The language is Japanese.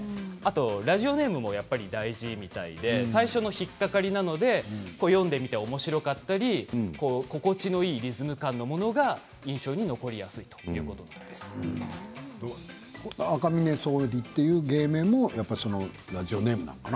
ラジオネームも大事みたいで最初の引っ掛かりなので読んでみて、おもしろかったり心地いいリズム感のものが印象に残りやすい赤嶺総理っていう芸名もやっぱりラジオネームなのかな？